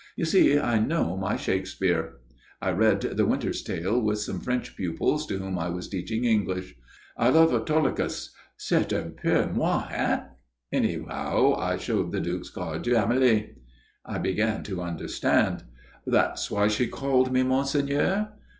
You see I know my Shakespeare. I read 'The Winter's Tale' with some French pupils to whom I was teaching English. I love Autolycus. C'est un peu moi, hein? Anyhow, I showed the Duke's card to Amélie." I began to understand. "That was why you called me 'monseigneur'?"